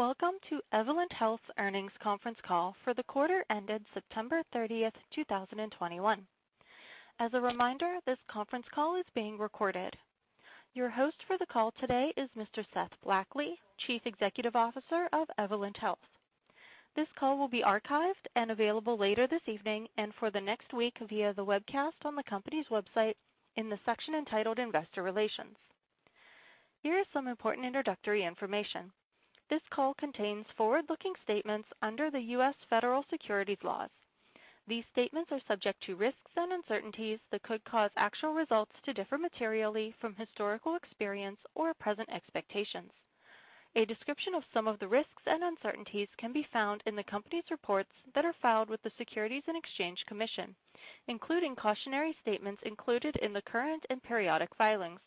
Welcome to Evolent Health Earnings conference call for the quarter ended September 30th, 2021. As a reminder, this conference call is being recorded. Your host for the call today is Mr. Seth Blackley, Chief Executive Officer of Evolent Health. This call will be archived and available later this evening and for the next week via the webcast on the company's website in the section entitled Investor Relations. Here are some important introductory information. This call contains forward-looking statements under the U.S. Federal Securities laws. These statements are subject to risks and uncertainties that could cause actual results to differ materially from historical experience or present expectations. A description of some of the risks and uncertainties can be found in the company's reports that are filed with the Securities and Exchange Commission, including cautionary statements included in the current and periodic filings.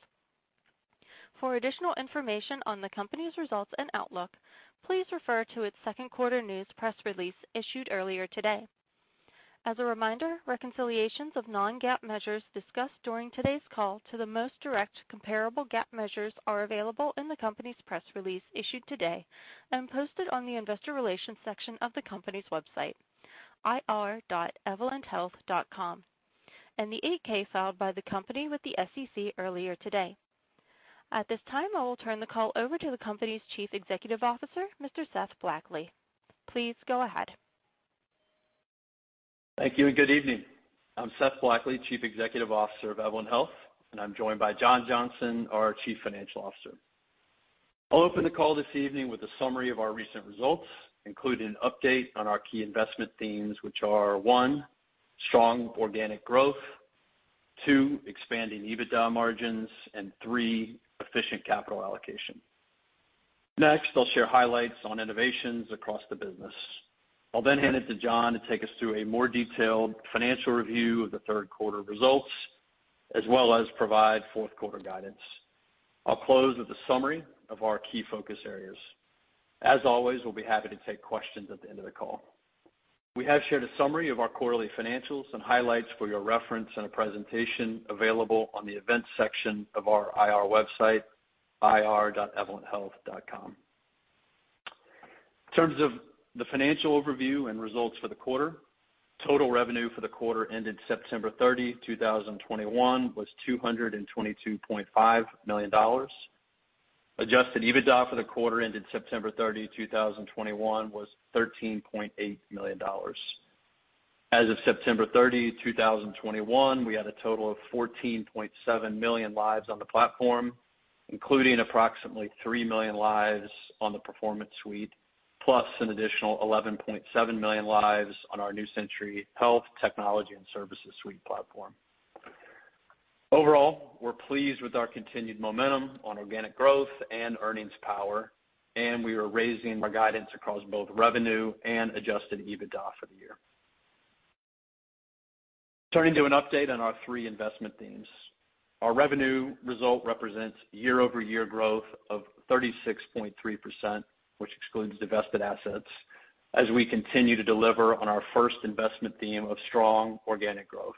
For additional information on the company's results and outlook, please refer to its second quarter news press release issued earlier today. As a reminder, reconciliations of non-GAAP measures discussed during today's call to the most direct comparable GAAP measures are available in the company's press release issued today and posted on the investor relations section of the company's website, ir.evolenthealth.com, and the 8-K filed by the company with the SEC earlier today. At this time, I will turn the call over to the company's Chief Executive Officer, Mr. Seth Blackley. Please go ahead. Thank you and good evening. I'm Seth Blackley, Chief Executive Officer of Evolent Health, and I'm joined by John Johnson, our Chief Financial Officer. I'll open the call this evening with a summary of our recent results, including an update on our key investment themes, which are, one, strong organic growth, two, expanding EBITDA margins, and three, efficient capital allocation. Next, I'll share highlights on innovations across the business. I'll then hand it to John to take us through a more detailed financial review of the third quarter results, as well as provide fourth quarter guidance. I'll close with a summary of our key focus areas. As always, we'll be happy to take questions at the end of the call. We have shared a summary of our quarterly financials and highlights for your reference in a presentation available on the events section of our IR website, ir.evolenthealth.com. In terms of the financial overview and results for the quarter, total revenue for the quarter ended September 30, 2021 was $222.5 million. Adjusted EBITDA for the quarter ended September 30, 2021 was $13.8 million. As of September 30, 2021, we had a total of 14.7 million lives on the platform, including approximately three million lives on the Performance Suite, plus an additional 11.7 million lives on our New Century Health Technology and Services Suite platform. Overall, we're pleased with our continued momentum on organic growth and earnings power, and we are raising our guidance across both revenue and adjusted EBITDA for the year. Turning to an update on our three investment themes. Our revenue result represents year-over-year growth of 36.3%, which excludes divested assets, as we continue to deliver on our first investment theme of strong organic growth.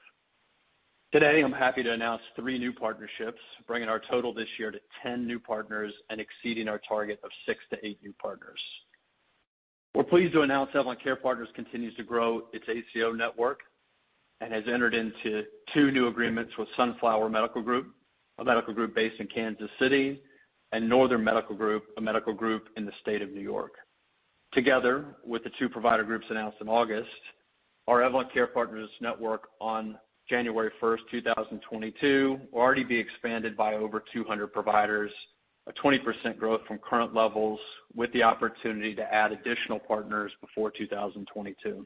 Today, I'm happy to announce three new partnerships, bringing our total this year to 10 new partners and exceeding our target of six to eight new partners. We're pleased to announce Evolent Care Partners continues to grow its ACO network and has entered into two new agreements with Sunflower Medical Group, a medical group based in Kansas City, and Northern Medical Group, a medical group in the state of New York. Together, with the two provider groups announced in August, our Evolent Care Partners network on January 1st, 2022 will already be expanded by over 200 providers, a 20% growth from current levels, with the opportunity to add additional partners before 2022.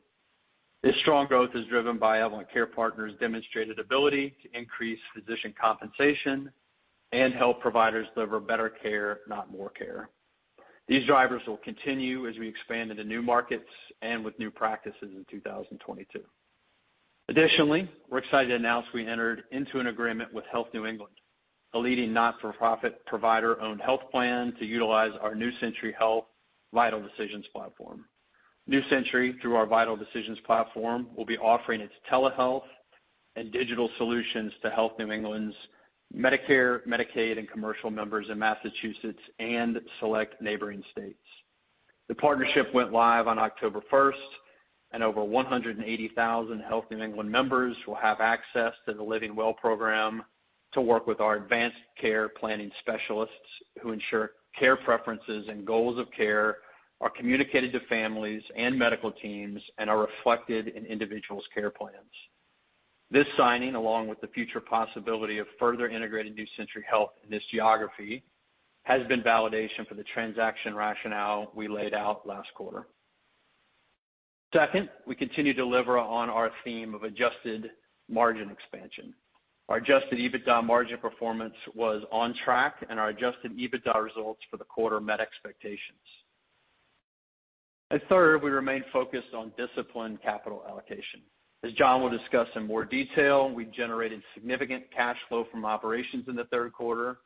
This strong growth is driven by Evolent Care Partners' demonstrated ability to increase physician compensation and help providers deliver better care, not more care. These drivers will continue as we expand into new markets and with new practices in 2022. Additionally, we're excited to announce we entered into an agreement with Health New England, a leading not-for-profit provider-owned health plan, to utilize our New Century Health Vital Decisions platform. New Century, through our Vital Decisions platform, will be offering its telehealth and digital solutions to Health New England's Medicare, Medicaid, and commercial members in Massachusetts and select neighboring states. The partnership went live on October 1st, and over 180,000 Health New England members will have access to the Living Well program to work with our advanced care planning specialists who ensure care preferences and goals of care are communicated to families and medical teams and are reflected in individuals' care plans. This signing, along with the future possibility of further integrating New Century Health in this geography, has been validation for the transaction rationale we laid out last quarter. Second, we continue to deliver on our theme of adjusted margin expansion. Our adjusted EBITDA margin performance was on track, and our adjusted EBITDA results for the quarter met expectations. Third, we remain focused on disciplined capital allocation. As John will discuss in more detail, we generated significant cash flow from operations in the third quarter,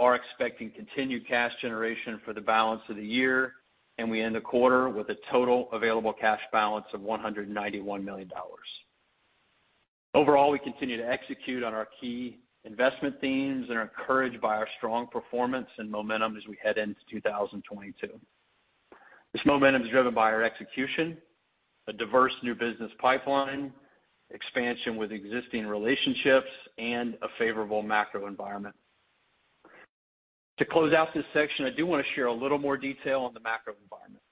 are expecting continued cash generation for the balance of the year, and we end the quarter with a total available cash balance of $191 million. Overall, we continue to execute on our key investment themes and are encouraged by our strong performance and momentum as we head into 2022. This momentum is driven by our execution, a diverse new business pipeline, expansion with existing relationships, and a favorable macro environment. To close out this section, I do wanna share a little more detail on the macro environment.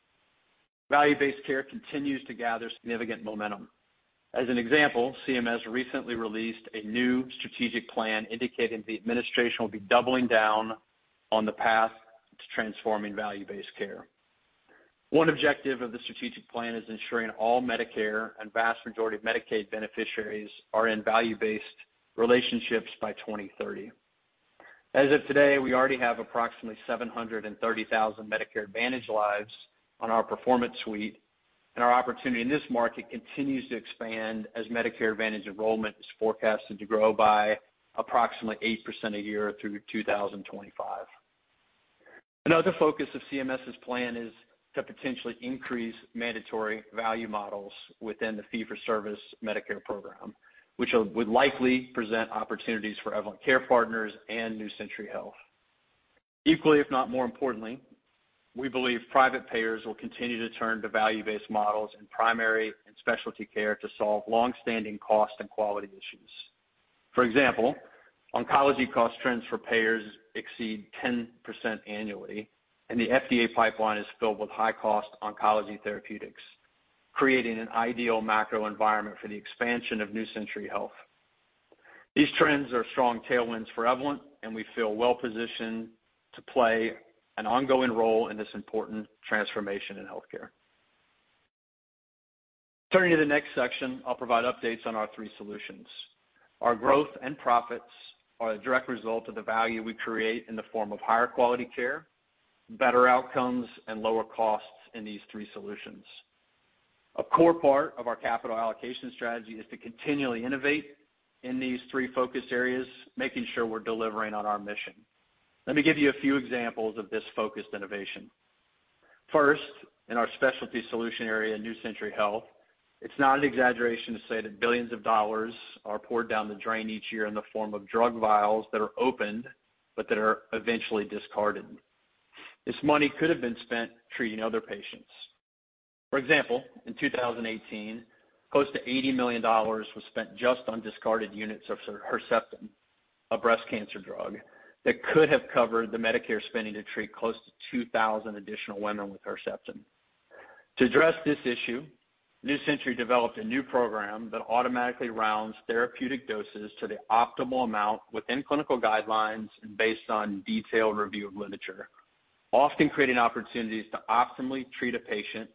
Value-based care continues to gather significant momentum. As an example, CMS recently released a new strategic plan indicating the administration will be doubling down on the path to transforming value-based care. One objective of the strategic plan is ensuring all Medicare and vast majority of Medicaid beneficiaries are in value-based relationships by 2030. As of today, we already have approximately 730,000 Medicare Advantage lives on our Performance Suite, and our opportunity in this market continues to expand as Medicare Advantage enrollment is forecasted to grow by approximately 8% a year through 2025. Another focus of CMS's plan is to potentially increase mandatory value models within the fee-for-service Medicare program, which would likely present opportunities for Evolent Care Partners and New Century Health. Equally, if not more importantly, we believe private payers will continue to turn to value-based models in primary and specialty care to solve long-standing cost and quality issues. For example, oncology cost trends for payers exceed 10% annually, and the FDA pipeline is filled with high-cost oncology therapeutics, creating an ideal macro environment for the expansion of New Century Health. These trends are strong tailwinds for Evolent, and we feel well-positioned to play an ongoing role in this important transformation in healthcare. Turning to the next section, I'll provide updates on our three solutions. Our growth and profits are a direct result of the value we create in the form of higher quality care, better outcomes, and lower costs in these three solutions. A core part of our capital allocation strategy is to continually innovate in these three focus areas, making sure we're delivering on our mission. Let me give you a few examples of this focused innovation. First, in our specialty solution area, New Century Health, it's not an exaggeration to say that billions of dollars are poured down the drain each year in the form of drug vials that are opened but that are eventually discarded. This money could have been spent treating other patients. For example, in 2018, close to $80 million was spent just on discarded units of Herceptin, a breast cancer drug, that could have covered the Medicare spending to treat close to 2,000 additional women with Herceptin. To address this issue, New Century Health developed a new program that automatically rounds therapeutic doses to the optimal amount within clinical guidelines based on detailed review of literature, often creating opportunities to optimally treat a patient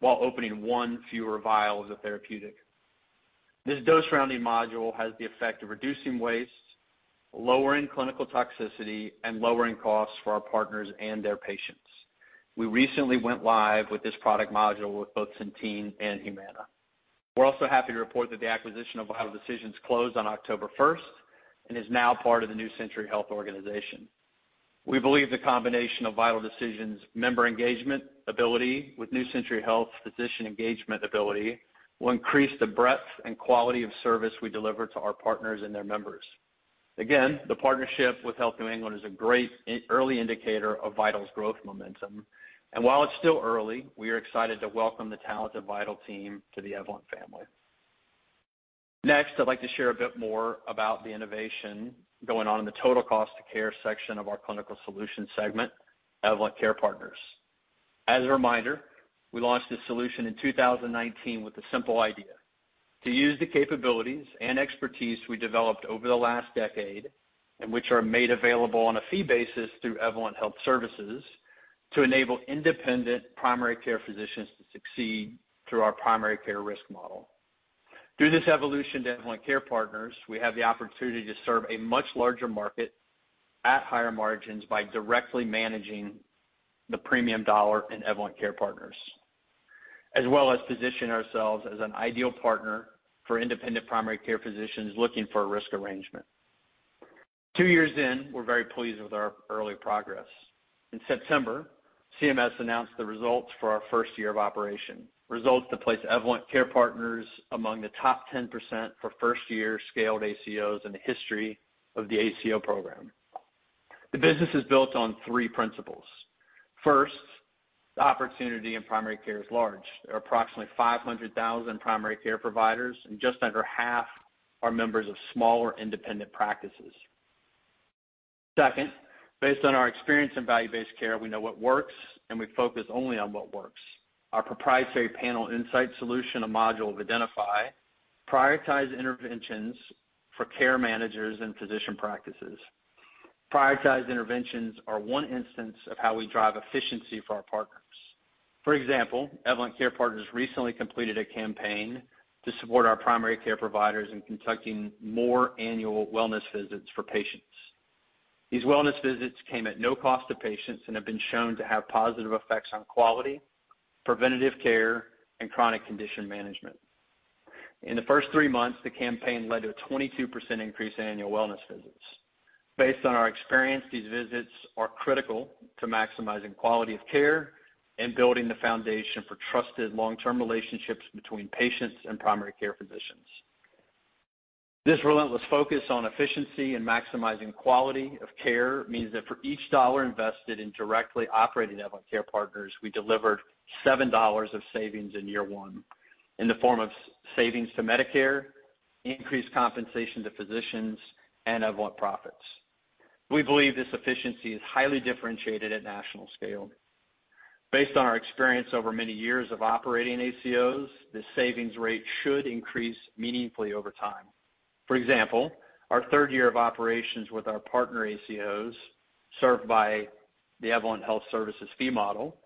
while opening one fewer vial of the therapeutic. This dose-rounding module has the effect of reducing waste, lowering clinical toxicity, and lowering costs for our partners and their patients. We recently went live with this product module with both Centene and Humana. We're also happy to report that the acquisition of Vital Decisions closed on October 1st and is now part of the New Century Health organization. We believe the combination of Vital Decisions' member engagement ability with New Century Health's physician engagement ability will increase the breadth and quality of service we deliver to our partners and their members. Again, the partnership with Health New England is a great early indicator of Vital's growth momentum. While it's still early, we are excited to welcome the talented Vital team to the Evolent family. Next, I'd like to share a bit more about the innovation going on in the total cost to care section of our Clinical Solutions segment, Evolent Care Partners. As a reminder, we launched this solution in 2019 with a simple idea: to use the capabilities and expertise we developed over the last decade, and which are made available on a fee basis through Evolent Health Services, to enable independent primary care physicians to succeed through our primary care risk model. Through this evolution to Evolent Care Partners, we have the opportunity to serve a much larger market at higher margins by directly managing the premium dollar in Evolent Care Partners, as well as position ourselves as an ideal partner for independent primary care physicians looking for a risk arrangement. Two years in, we're very pleased with our early progress. In September, CMS announced the results for our first year of operation, results that place Evolent Care Partners among the top 10% for first-year scaled ACOs in the history of the ACO program. The business is built on three principles. First, the opportunity in primary care is large. There are approximately 500,000 primary care providers, and just under half are members of smaller independent practices. Second, based on our experience in value-based care, we know what works, and we focus only on what works. Our proprietary Panel Insight solution, a module of Identifi, prioritizes interventions for care managers and physician practices. Prioritized interventions are one instance of how we drive efficiency for our partners. For example, Evolent Care Partners recently completed a campaign to support our primary care providers in conducting more annual wellness visits for patients. These wellness visits came at no cost to patients and have been shown to have positive effects on quality, preventative care, and chronic condition management. In the first three months, the campaign led to a 22% increase in annual wellness visits. Based on our experience, these visits are critical to maximizing quality of care and building the foundation for trusted long-term relationships between patients and primary care physicians. This relentless focus on efficiency and maximizing quality of care means that for each dollar invested in directly operating Evolent Care Partners, we delivered $7 of savings in year one in the form of savings to Medicare, increased compensation to physicians, and Evolent profits. We believe this efficiency is highly differentiated at national scale. Based on our experience over many years of operating ACOs, the savings rate should increase meaningfully over time. For example, our third year of operations with our partner ACOs served by the Evolent Health Services fee model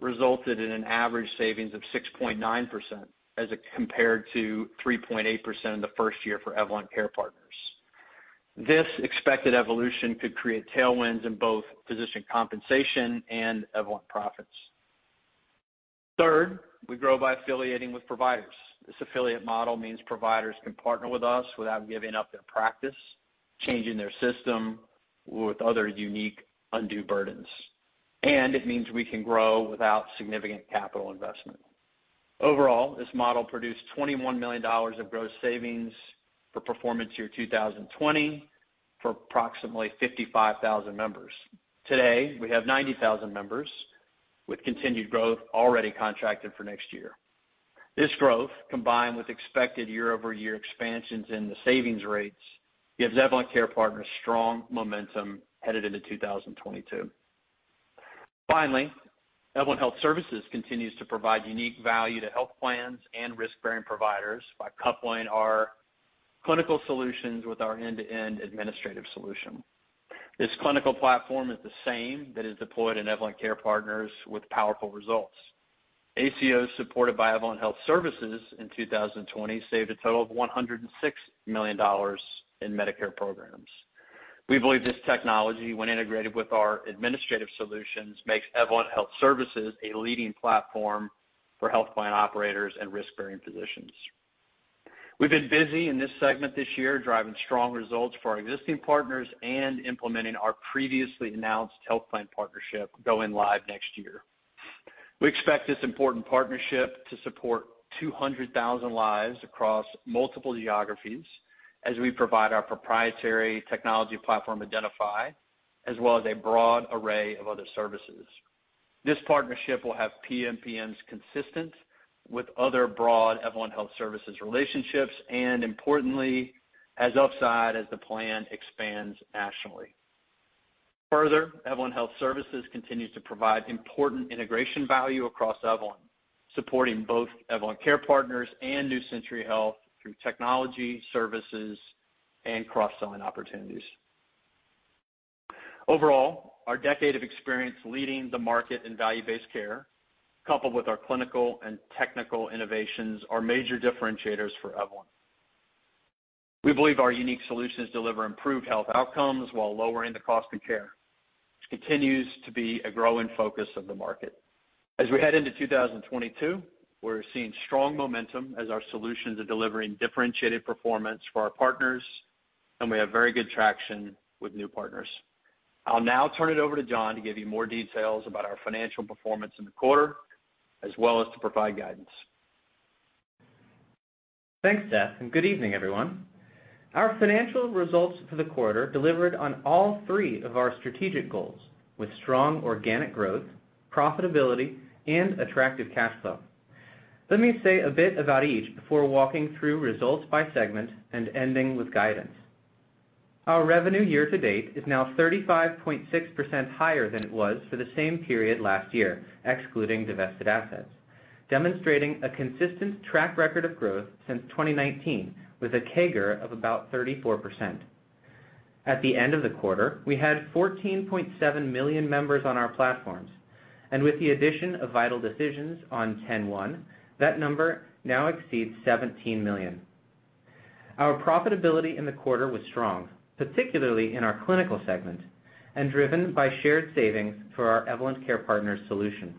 resulted in an average savings of 6.9% as it compared to 3.8% in the first year for Evolent Care Partners. This expected evolution could create tailwinds in both physician compensation and Evolent profits. Third, we grow by affiliating with providers. This affiliate model means providers can partner with us without giving up their practice, changing their system with other unique undue burdens. It means we can grow without significant capital investment. Overall, this model produced $21 million of gross savings for performance year 2020 for approximately 55,000 members. Today, we have 90,000 members with continued growth already contracted for next year. This growth, combined with expected year-over-year expansions in the savings rates, gives Evolent Care Partners strong momentum headed into 2022. Finally, Evolent Health Services continues to provide unique value to health plans and risk-bearing providers by coupling our Clinical Solutions with our end-to-end administrative solution. This clinical platform is the same that is deployed in Evolent Care Partners with powerful results. ACOs supported by Evolent Health Services in 2020 saved a total of $106 million in Medicare programs. We believe this technology, when integrated with our administrative solutions, makes Evolent Health Services a leading platform for health plan operators and risk-bearing physicians. We've been busy in this segment this year, driving strong results for our existing partners and implementing our previously announced health plan partnership going live next year. We expect this important partnership to support 200,000 lives across multiple geographies as we provide our proprietary technology platform Identifi, as well as a broad array of other services. This partnership will have PMPMs consistent with other broad Evolent Health Services relationships and importantly, as upside as the plan expands nationally. Further, Evolent Health Services continues to provide important integration value across Evolent, supporting both Evolent Care Partners and New Century Health through technology, services, and cross-selling opportunities. Overall, our decade of experience leading the market in value-based care, coupled with our clinical and technical innovations, are major differentiators for Evolent. We believe our unique solutions deliver improved health outcomes while lowering the cost of care, which continues to be a growing focus of the market. As we head into 2022, we're seeing strong momentum as our solutions are delivering differentiated performance for our partners, and we have very good traction with new partners. I'll now turn it over to John to give you more details about our financial performance in the quarter, as well as to provide guidance. Thanks, Seth, and good evening, everyone. Our financial results for the quarter delivered on all three of our strategic goals with strong organic growth, profitability, and attractive cash flow. Let me say a bit about each before walking through results by segment and ending with guidance. Our revenue year to date is now 35.6% higher than it was for the same period last year, excluding divested assets, demonstrating a consistent track record of growth since 2019, with a CAGR of about 34%. At the end of the quarter, we had 14.7 million members on our platforms, and with the addition of Vital Decisions on 10/1, that number now exceeds 17 million. Our profitability in the quarter was strong, particularly in our Clinical segment and driven by shared savings for our Evolent Care Partners solution.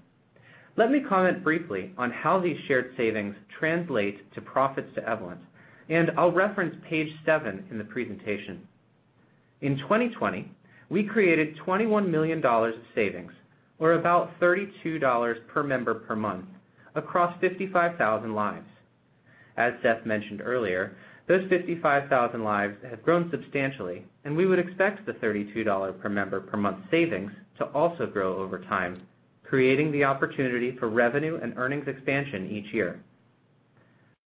Let me comment briefly on how these shared savings translate to profits to Evolent, and I'll reference page seven in the presentation. In 2020, we created $21 million of savings, or about $32 per member per month, across 55,000 lives. As Seth mentioned earlier, those 55,000 lives have grown substantially, and we would expect the $32 per member per month savings to also grow over time, creating the opportunity for revenue and earnings expansion each year.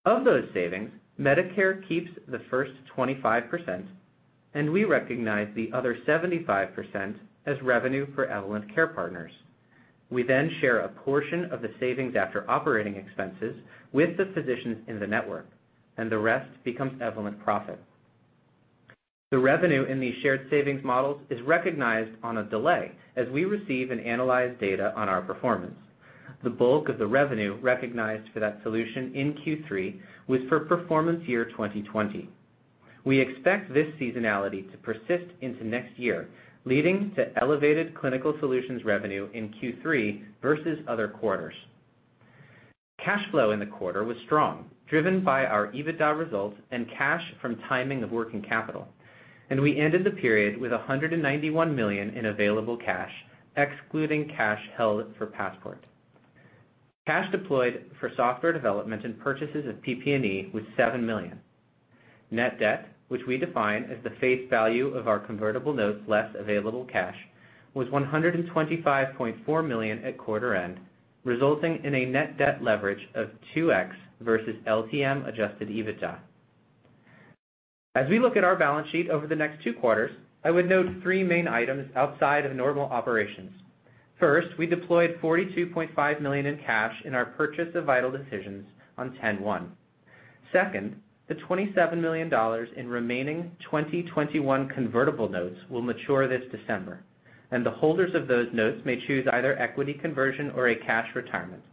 Of those savings, Medicare keeps the first 25%, and we recognize the other 75% as revenue for Evolent Care Partners. We then share a portion of the savings after operating expenses with the physicians in the network, and the rest becomes Evolent profit. The revenue in these shared savings models is recognized on a delay as we receive and analyze data on our performance. The bulk of the revenue recognized for that solution in Q3 was for performance year 2020. We expect this seasonality to persist into next year, leading to elevated Clinical Solutions revenue in Q3 versus other quarters. Cash flow in the quarter was strong, driven by our EBITDA results and cash from timing of working capital. We ended the period with $191 million in available cash, excluding cash held for Passport. Cash deployed for software development and purchases of PP&E was $7 million. Net debt, which we define as the face value of our convertible notes less available cash, was $125.4 million at quarter end, resulting in a net debt leverage of 2x versus LTM adjusted EBITDA. As we look at our balance sheet over the next two quarters, I would note three main items outside of normal operations. First, we deployed $42.5 million in cash in our purchase of Vital Decisions on 10/1. Second, the $27 million in remaining 2021 convertible notes will mature this December, and the holders of those notes may choose either equity conversion or a cash retirement.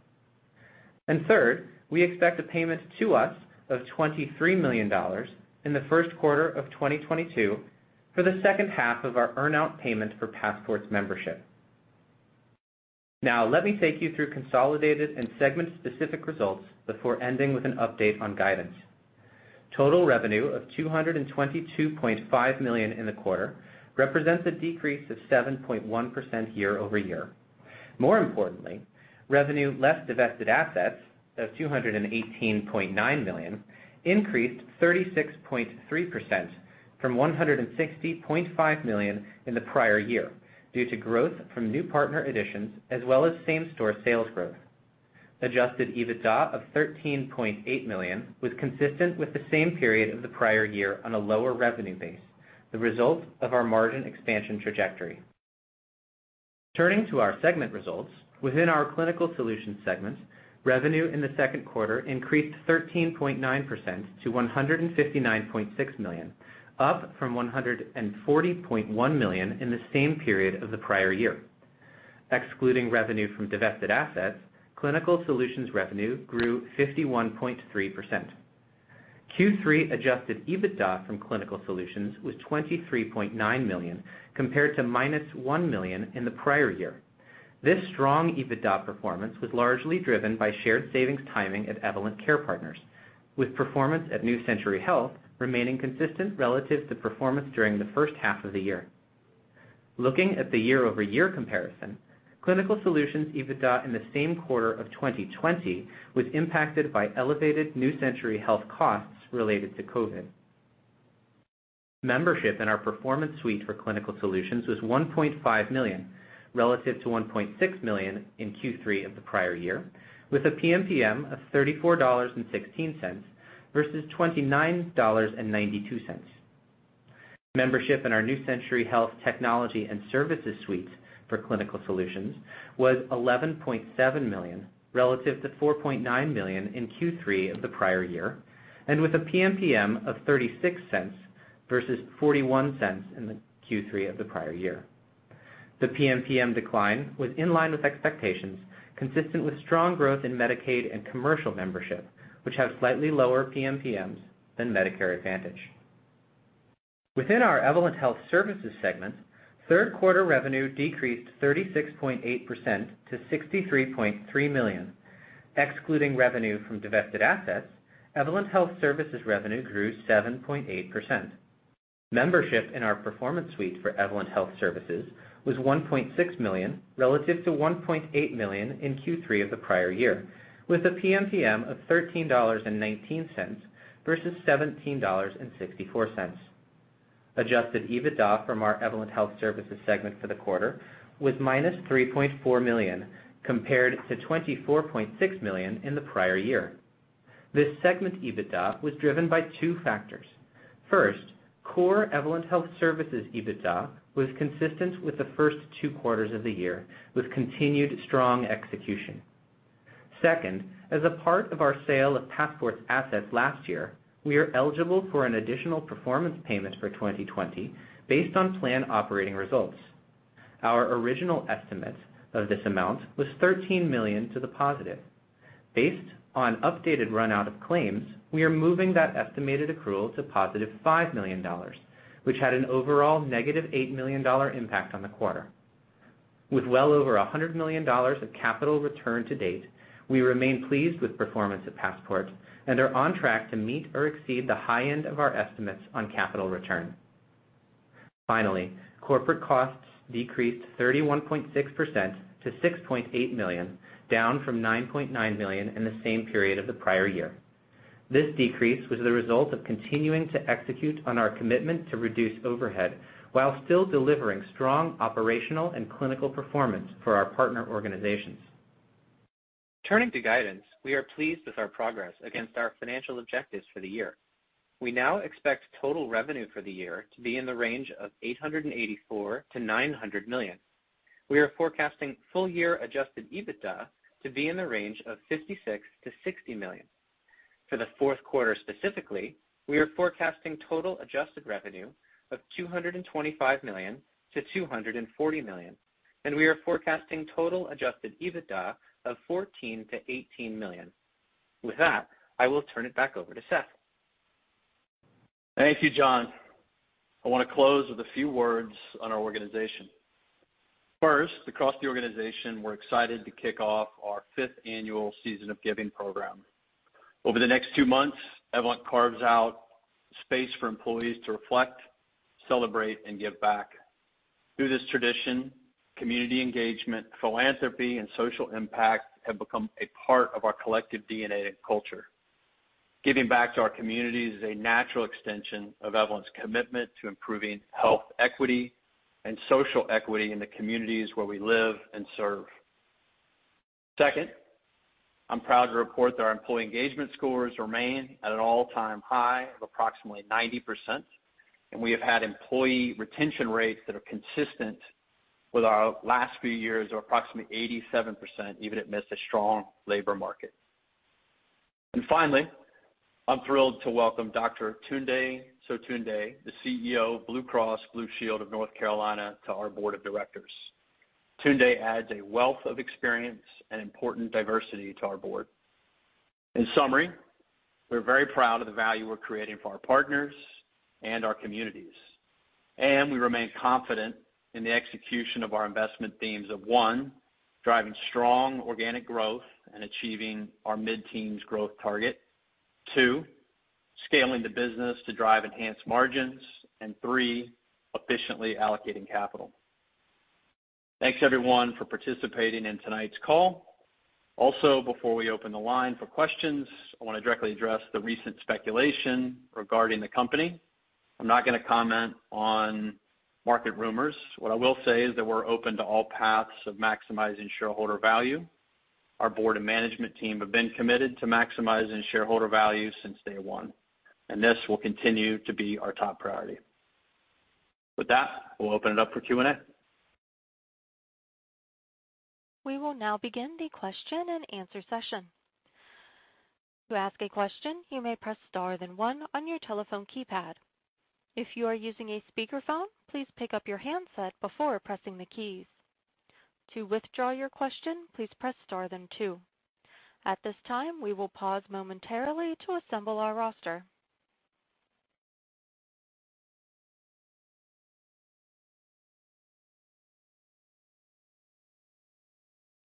Third, we expect a payment to us of $23 million in the first quarter of 2022 for the second half of our earn-out payment for Passport's membership. Now let me take you through consolidated and segment-specific results before ending with an update on guidance. Total revenue of $222.5 million in the quarter represents a decrease of 7.1% year-over-year. More importantly, revenue less divested assets of $218.9 million increased 36.3% from $160.5 million in the prior year due to growth from new partner additions as well as same-store sales growth. Adjusted EBITDA of $13.8 million was consistent with the same period of the prior year on a lower revenue base, the result of our margin expansion trajectory. Turning to our segment results, within our Clinical Solutions segment, revenue in the second quarter increased 13.9% to $159.6 million, up from $140.1 million in the same period of the prior year. Excluding revenue from divested assets, Clinical Solutions revenue grew 51.3%. Q3 adjusted EBITDA from Clinical Solutions was $23.9 million compared to -$1 million in the prior year. This strong EBITDA performance was largely driven by shared savings timing at Evolent Care Partners, with performance at New Century Health remaining consistent relative to performance during the first half of the year. Looking at the year-over-year comparison, Clinical Solutions EBITDA in the same quarter of 2020 was impacted by elevated New Century Health costs related to COVID. Membership in our Performance Suite for Clinical Solutions was 1.5 million relative to 1.6 million in Q3 of the prior year with a PMPM of $34.16 versus $29.92. Membership in our New Century Health technology and services suites for Clinical Solutions was 11.7 million relative to 4.9 million in Q3 of the prior year and with a PMPM of $0.36 versus $0.41 in the Q3 of the prior year. The PMPM decline was in line with expectations, consistent with strong growth in Medicaid and commercial membership, which have slightly lower PMPMs than Medicare Advantage. Within our Evolent Health Services segment, third quarter revenue decreased 36.8% to $63.3 million. Excluding revenue from divested assets, Evolent Health Services revenue grew 7.8%. Membership in our Performance Suite for Evolent Health Services was 1.6 million relative to 1.8 million in Q3 of the prior year with a PMPM of $13.19 versus $17.64. Adjusted EBITDA from our Evolent Health Services segment for the quarter was -$3.4 million compared to $24.6 million in the prior year. This segment EBITDA was driven by two factors. First, core Evolent Health Services EBITDA was consistent with the first two quarters of the year with continued strong execution. Second, as a part of our sale of Passport's assets last year, we are eligible for an additional performance payment for 2020 based on plan operating results. Our original estimate of this amount was $13 million to the positive. Based on updated run-out of claims, we are moving that estimated accrual to +$5 million, which had an overall -$8 million impact on the quarter. With well over $100 million of capital return to date, we remain pleased with performance at Passport and are on track to meet or exceed the high end of our estimates on capital return. Finally, corporate costs decreased 31.6% to $6.8 million, down from $9.9 million in the same period of the prior year. This decrease was the result of continuing to execute on our commitment to reduce overhead while still delivering strong operational and clinical performance for our partner organizations. Turning to guidance, we are pleased with our progress against our financial objectives for the year. We now expect total revenue for the year to be in the range of $884 million-$900 million. We are forecasting full year adjusted EBITDA to be in the range of $56 million-$60 million. For the fourth quarter specifically, we are forecasting total adjusted revenue of $225 million-$240 million, and we are forecasting total adjusted EBITDA of $14 million-$18 million. With that, I will turn it back over to Seth. Thank you, John. I wanna close with a few words on our organization. First, across the organization, we're excited to kick off our fifth annual Season of Giving program. Over the next two months, Evolent carves out space for employees to reflect, celebrate, and give back. Through this tradition, community engagement, philanthropy, and social impact have become a part of our collective DNA and culture. Giving back to our community is a natural extension of Evolent's commitment to improving health equity and social equity in the communities where we live and serve. Second, I'm proud to report that our employee engagement scores remain at an all-time high of approximately 90%, and we have had employee retention rates that are consistent with our last few years or approximately 87%, even amidst a strong labor market. Finally, I'm thrilled to welcome Dr. Tunde Sotunde, the CEO of Blue Cross and Blue Shield of North Carolina, to our board of directors. Tunde adds a wealth of experience and important diversity to our board. In summary, we're very proud of the value we're creating for our partners and our communities, and we remain confident in the execution of our investment themes of, one, driving strong organic growth and achieving our mid-teens growth target. Two, scaling the business to drive enhanced margins. Three, efficiently allocating capital. Thanks everyone for participating in tonight's call. Also, before we open the line for questions, I wanna directly address the recent speculation regarding the company. I'm not gonna comment on market rumors. What I will say is that we're open to all paths of maximizing shareholder value. Our board and management team have been committed to maximizing shareholder value since day one, and this will continue to be our top priority. With that, we'll open it up for Q&A. We will now begin the question-and-answer session. To ask a question, you may press star then one on your telephone keypad. If you are using a speakerphone, please pick up your handset before pressing the keys. To withdraw your question, please press star then two. At this time, we will pause momentarily to assemble our roster.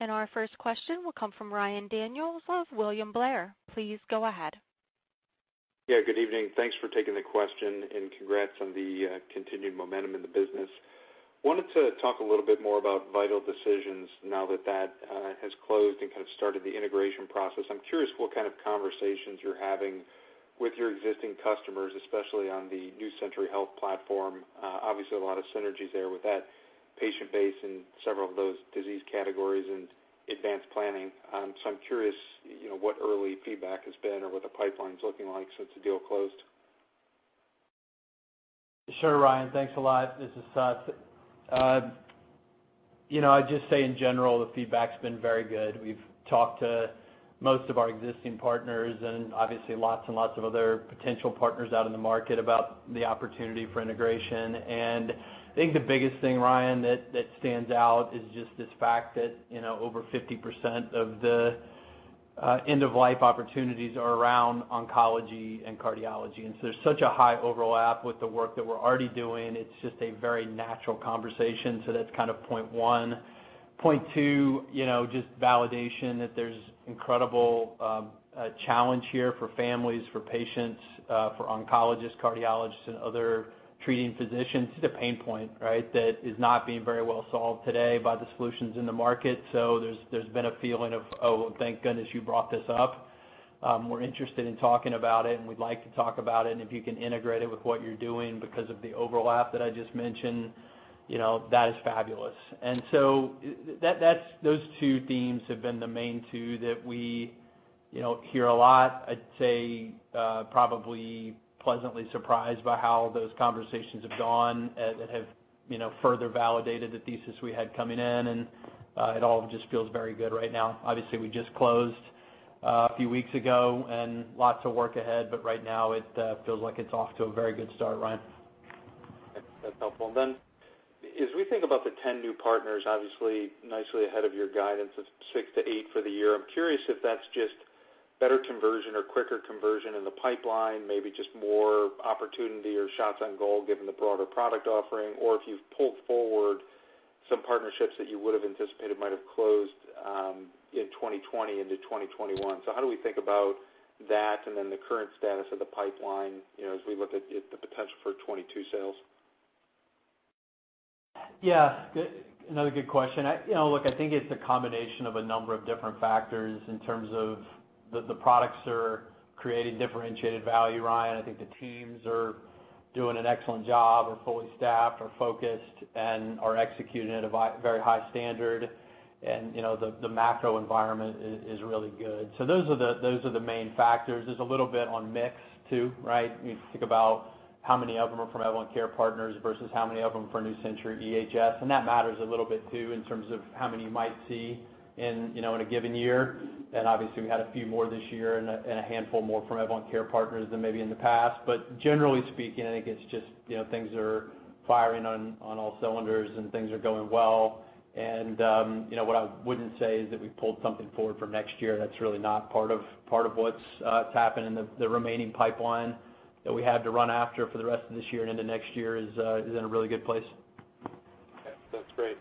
Our first question will come from Ryan Daniels of William Blair. Please go ahead. Yeah, good evening. Thanks for taking the question, and congrats on the continued momentum in the business. Wanted to talk a little bit more about Vital Decisions now that has closed and kind of started the integration process. I'm curious what kind of conversations you're having with your existing customers, especially on the New Century Health platform. Obviously, a lot of synergies there with that patient base in several of those disease categories and advanced planning. So I'm curious, you know, what early feedback has been or what the pipeline's looking like since the deal closed? Sure, Ryan. Thanks a lot. This is Seth. You know, I'd just say, in general, the feedback's been very good. We've talked to most of our existing partners and obviously lots and lots of other potential partners out in the market about the opportunity for integration. I think the biggest thing, Ryan, that stands out is just this fact that, you know, over 50% of the end-of-life opportunities are around oncology and cardiology. So there's such a high overlap with the work that we're already doing. It's just a very natural conversation. That's kind of point one. Point two, you know, just validation that there's incredible challenge here for families, for patients, for oncologists, cardiologists, and other treating physicians. This is a pain point, right, that is not being very well solved today by the solutions in the market. There's been a feeling of, oh, thank goodness you brought this up. We're interested in talking about it, and we'd like to talk about it. If you can integrate it with what you're doing because of the overlap that I just mentioned, you know, that is fabulous. Those two themes have been the main two that we, you know, hear a lot. I'd say, probably pleasantly surprised by how those conversations have gone, that have, you know, further validated the thesis we had coming in, and it all just feels very good right now. Obviously, we just closed, a few weeks ago and lots of work ahead, but right now it feels like it's off to a very good start, Ryan. That's helpful. Then as we think about the 10 new partners, obviously nicely ahead of your guidance of six to eight for the year, I'm curious if that's just better conversion or quicker conversion in the pipeline, maybe just more opportunity or shots on goal given the broader product offering, or if you've pulled forward some partnerships that you would've anticipated might have closed in 2020 into 2021. How do we think about that and then the current status of the pipeline, you know, as we look at the potential for 2022 sales? Yeah. Another good question. You know, look, I think it's a combination of a number of different factors in terms of the products are creating differentiated value, Ryan. I think the teams are doing an excellent job, are fully staffed, are focused, and are executing at a very high standard. You know, the macro environment is really good. So those are the main factors. There's a little bit on mix too, right? You think about how many of them are from Evolent Care Partners versus how many of them are from New Century Health, and that matters a little bit too in terms of how many you might see in, you know, in a given year. Obviously, we had a few more this year and a handful more from Evolent Care Partners than maybe in the past. Generally speaking, I think it's just, you know, things are firing on all cylinders and things are going well. You know, what I wouldn't say is that we pulled something forward from next year. That's really not part of what's happened in the remaining pipeline that we had to run after for the rest of this year and into next year is in a really good place. That's great.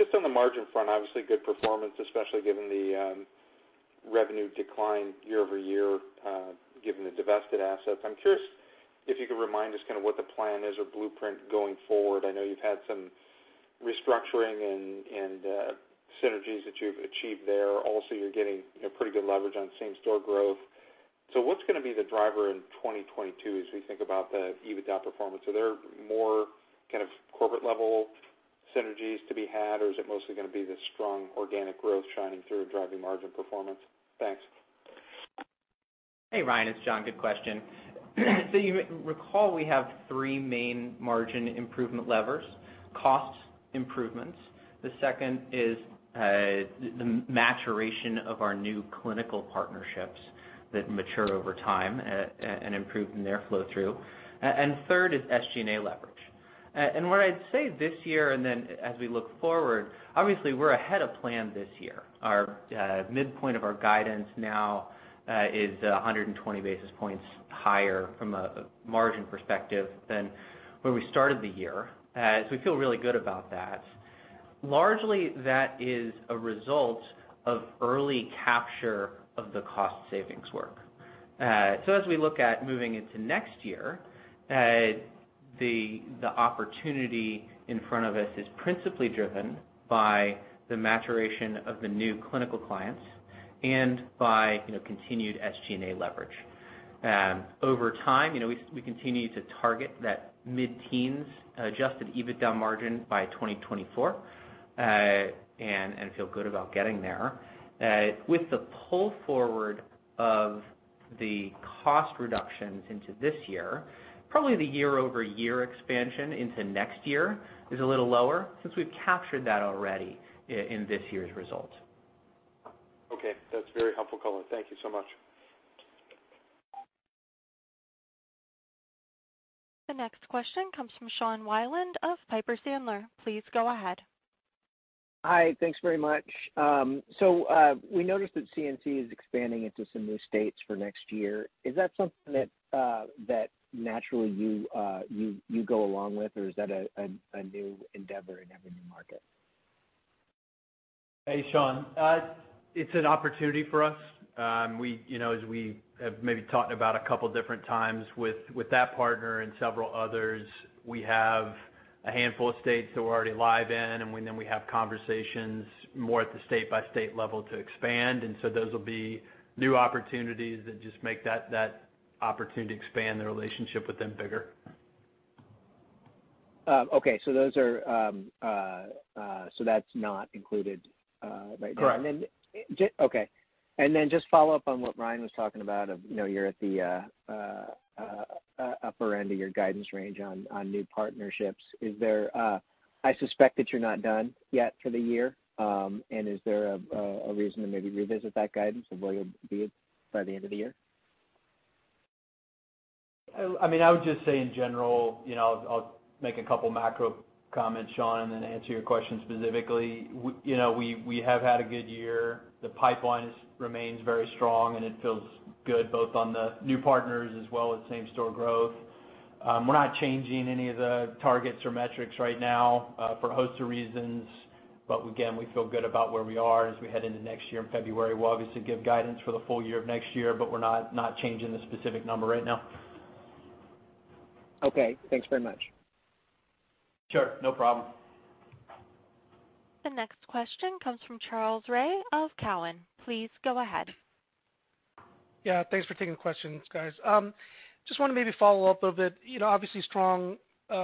Then just on the margin front, obviously good performance, especially given the revenue decline year-over-year, given the divested assets. I'm curious if you could remind us kind of what the plan is or blueprint going forward. I know you've had some restructuring and synergies that you've achieved there. Also, you're getting a pretty good leverage on same-store growth. What's gonna be the driver in 2022 as we think about the EBITDA performance? Are there more kind of corporate level synergies to be had, or is it mostly gonna be the strong organic growth shining through driving margin performance? Thanks. Hey, Ryan. It's John. Good question. You recall we have three main margin improvement levers, cost improvements. The second is the maturation of our new clinical partnerships that mature over time and improve from their flow through. Third is SG&A leverage. What I'd say this year, and then as we look forward, obviously we're ahead of plan this year. Our midpoint of our guidance now is 120 basis points higher from a margin perspective than where we started the year. We feel really good about that. Largely, that is a result of early capture of the cost savings work. As we look at moving into next year, the opportunity in front of us is principally driven by the maturation of the new clinical clients and by, you know, continued SG&A leverage. Over time, you know, we continue to target that mid-teens% adjusted EBITDA margin by 2024, and feel good about getting there. With the pull forward of the cost reductions into this year, probably the year-over-year expansion into next year is a little lower since we've captured that already in this year's results. Okay. That's very helpful color. Thank you so much. The next question comes from Sean Wieland of Piper Sandler. Please go ahead. Hi. Thanks very much. We noticed that CNC is expanding into some new states for next year. Is that something that naturally you go along with, or is that a new endeavor in every new market? Hey, Sean. It's an opportunity for us. We, you know, as we have maybe talked about a couple different times with that partner and several others, have a handful of states that we're already live in, and then we have conversations more at the state-by-state level to expand. Those will be new opportunities that just make that opportunity to expand the relationship with them bigger. Okay. That's not included right now. Correct. Just follow up on what Ryan was talking about, you know, you're at the upper end of your guidance range on new partnerships. I suspect that you're not done yet for the year. Is there a reason to maybe revisit that guidance of where you'll be by the end of the year? I mean, I would just say in general, you know, I'll make a couple of macro comments, Sean, and then answer your question specifically. You know, we have had a good year. The pipeline remains very strong, and it feels good both on the new partners as well as same-store growth. We're not changing any of the targets or metrics right now for a host of reasons. Again, we feel good about where we are as we head into next year in February. We'll obviously give guidance for the full year of next year, but we're not changing the specific number right now. Okay, thanks very much. Sure. No problem. The next question comes from Charles Rhyee of Cowen. Please go ahead. Yeah, thanks for taking the questions, guys. Just wanna maybe follow up a bit. You know, obviously strong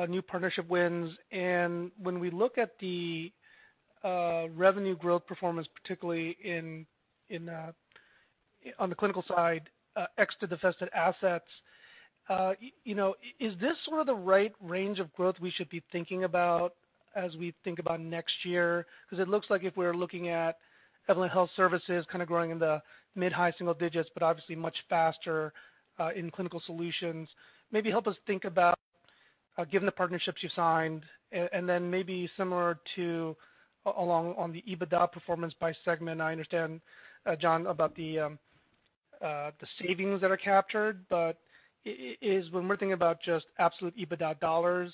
new partnership wins. When we look at the revenue growth performance, particularly on the clinical side, ex-the divested assets, you know, is this sort of the right range of growth we should be thinking about as we think about next year? Because it looks like if we're looking at Evolent Health Services kinda growing in the mid- to high-single digits, but obviously much faster in Clinical Solutions. Maybe help us think about, given the partnerships you signed, and then maybe similarly on the EBITDA performance by segment. I understand, John, about the savings that are captured, but is when we're thinking about just absolute EBITDA dollars,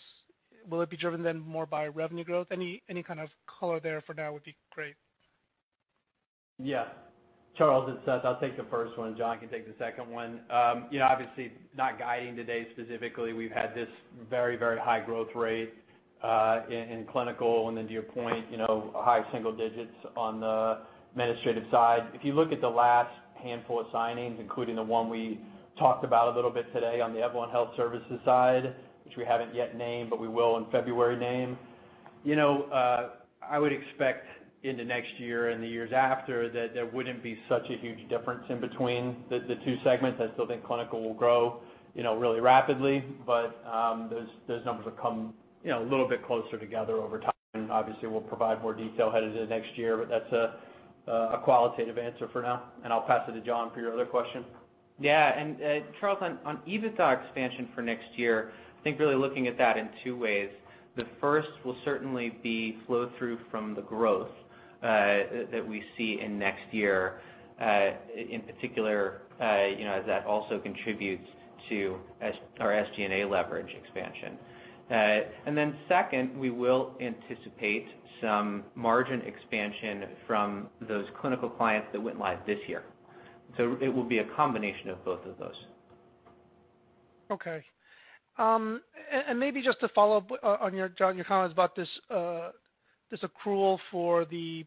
will it be driven then more by revenue growth? Any kind of color there for now would be great. Yeah. Charles, it's Seth. I'll take the first one. John can take the second one. You know, obviously, not guiding today, specifically, we've had this very, very high growth rate in Clinical, and then to your point, you know, high single digits on the administrative side. If you look at the last handful of signings, including the one we talked about a little bit today on the Evolent Health Services side, which we haven't yet named, but we will in February name, you know, I would expect into next year and the years after that there wouldn't be such a huge difference in between the two segments. I still think Clinical will grow, you know, really rapidly, but those numbers will come, you know, a little bit closer together over time. Obviously, we'll provide more detail headed into next year, but that's a qualitative answer for now, and I'll pass it to John for your other question. Yeah. Charles, on EBITDA expansion for next year, I think really looking at that in two ways. The first will certainly be flow through from the growth that we see in next year, in particular, you know, that also contributes to our SG&A leverage expansion. Then second, we will anticipate some margin expansion from those clinical clients that went live this year. It will be a combination of both of those. Okay. Maybe just to follow up on your, John, your comments about this accrual for the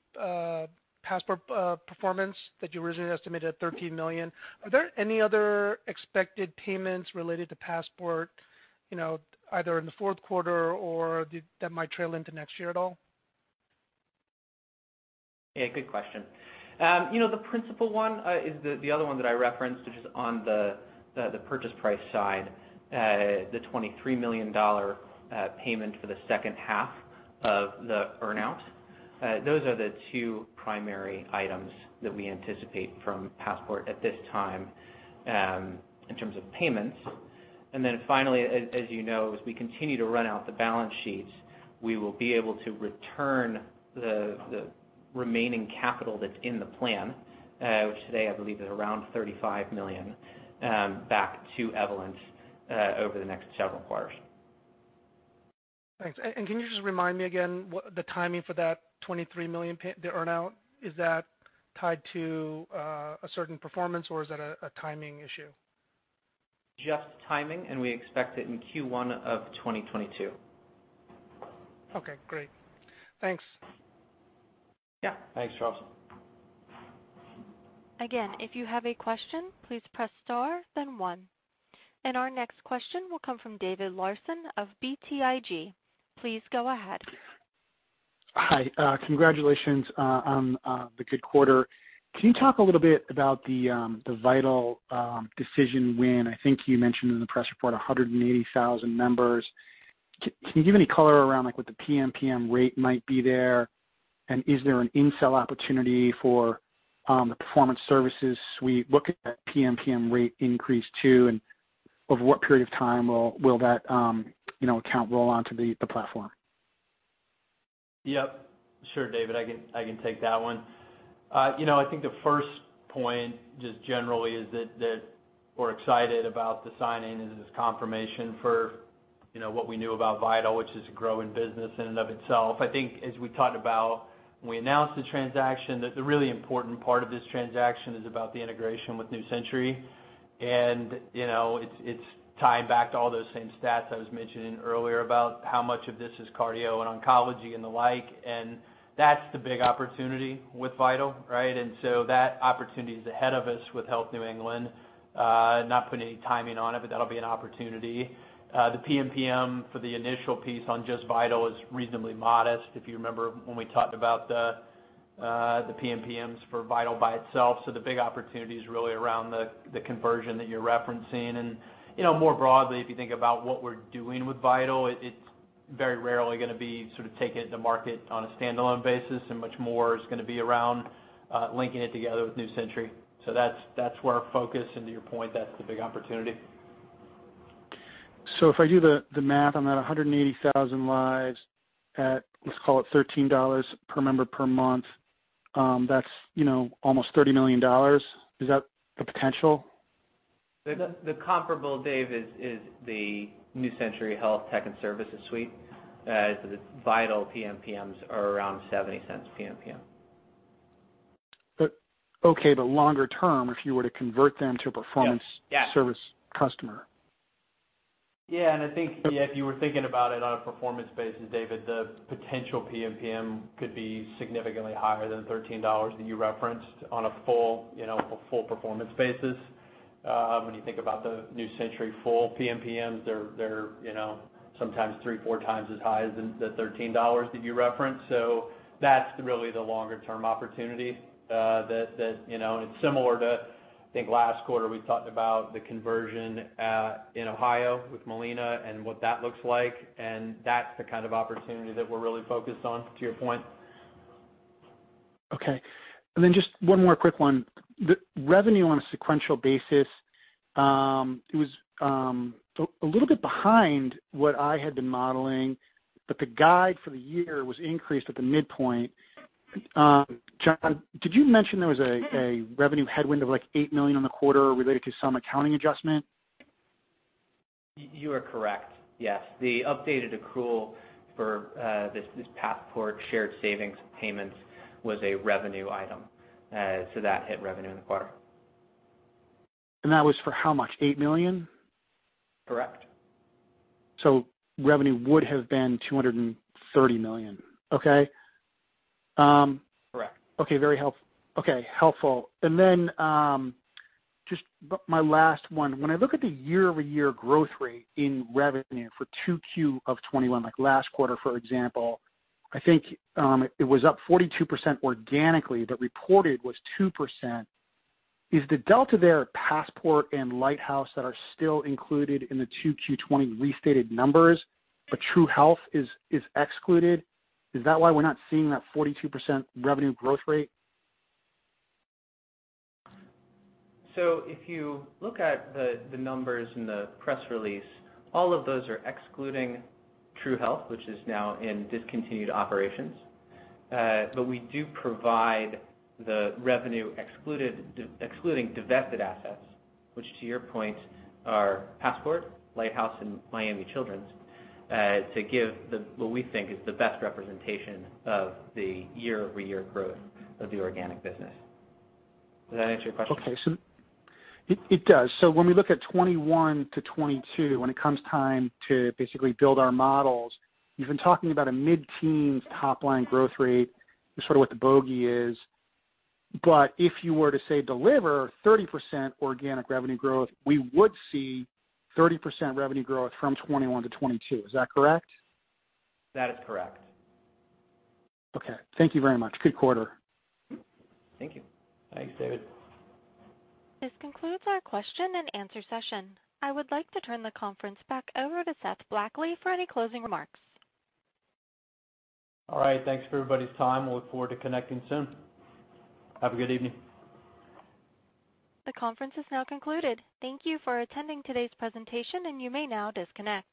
Passport performance that you originally estimated at $13 million. Are there any other expected payments related to Passport, you know, either in the fourth quarter or that might trail into next year at all? Yeah, good question. You know, the principal one is the other one that I referenced, which is on the purchase price side. The $23 million payment for the second half of the earn-out. Those are the two primary items that we anticipate from Passport at this time in terms of payments. Finally, as you know, as we continue to run out the balance sheets, we will be able to return the remaining capital that's in the plan, which today I believe is around $35 million back to Evolent over the next several quarters. Thanks. Can you just remind me again what the timing for that $23 million pay, the earn-out? Is that tied to a certain performance, or is that a timing issue? Just timing, and we expect it in Q1 of 2022. Okay, great. Thanks. Yeah. Thanks, Charles. Again, if you have a question, please press star then one. Our next question will come from David Larsen of BTIG. Please go ahead. Hi, congratulations on the good quarter. Can you talk a little bit about the Vital Decisions win? I think you mentioned in the press report 180,000 members. Can you give any color around, like, what the PMPM rate might be there? And is there an in-sell opportunity for the Performance Suite? What could that PMPM rate increase to, and over what period of time will that, you know, account roll onto the platform? Yep. Sure, David. I can take that one. You know, I think the first point, just generally, is that we're excited about the signing and this confirmation for, you know, what we knew about Vital, which is a growing business in and of itself. I think as we talked about when we announced the transaction, that the really important part of this transaction is about the integration with New Century. You know, it's tying back to all those same stats I was mentioning earlier about how much of this is cardio and oncology and the like, and that's the big opportunity with Vital, right? That opportunity is ahead of us with Health New England. Not putting any timing on it, but that'll be an opportunity. The PMPM for the initial piece on just Vital is reasonably modest. If you remember when we talked about the PMPMs for Vital by itself. The big opportunity is really around the conversion that you're referencing. You know, more broadly, if you think about what we're doing with Vital, it's very rarely gonna be sort of take it to market on a standalone basis, and much more is gonna be around linking it together with New Century. That's where our focus, and to your point, that's the big opportunity. If I do the math on that 180,000 lives at, let's call it $13 per member per month, that's, you know, almost $30 million. Is that the potential? The comparable, David, is the New Century Health Technology and Services Suite. The Vital PMPMs are around $0.70 PMPM. Okay, but longer term, if you were to convert them to a performance- Yeah. service customer. Yeah, I think if you were thinking about it on a performance basis, David, the potential PMPM could be significantly higher than $13 that you referenced on a full, you know, full performance basis. When you think about the New Century full PMPMs, they're, you know, sometimes three, four times as high as the $13 that you referenced. That's really the longer term opportunity, that, you know, similar to I think last quarter, we talked about the conversion in Ohio with Molina and what that looks like, and that's the kind of opportunity that we're really focused on, to your point. Okay. Just one more quick one. The revenue on a sequential basis, it was a little bit behind what I had been modeling, but the guide for the year was increased at the midpoint. John, did you mention there was a revenue headwind of like $8 million on the quarter related to some accounting adjustment? You are correct, yes. The updated accrual for this Passport shared savings payments was a revenue item. That hit revenue in the quarter. That was for how much, $8 million? Correct. Revenue would have been $230 million. Okay? Correct. Okay, very helpful. Okay, helpful. Just my last one. When I look at the year-over-year growth rate in revenue for 2Q of 2021, like last quarter, for example, I think, it was up 42% organically, but reported was 2%. Is the delta there Passport and Lighthouse that are still included in the 2Q 2020 restated numbers, but True Health is excluded? Is that why we're not seeing that 42% revenue growth rate? If you look at the numbers in the press release, all of those are excluding True Health, which is now in discontinued operations. But we do provide the revenue excluding divested assets, which to your point are Passport, Lighthouse, and Miami Children's, to give what we think is the best representation of the year-over-year growth of the organic business. Does that answer your question? It does. When we look at 2021 to 2022, when it comes time to basically build our models, you've been talking about a mid-teens top line growth rate is sort of what the bogey is. But if you were to, say, deliver 30% organic revenue growth, we would see 30% revenue growth from 2021 to 2022. Is that correct? That is correct. Okay. Thank you very much. Good quarter. Thank you. Thanks, David. This concludes our question and answer session. I would like to turn the conference back over to Seth Blackley for any closing remarks. All right. Thanks for everybody's time. We look forward to connecting soon. Have a good evening. The conference is now concluded. Thank you for attending today's presentation, and you may now disconnect.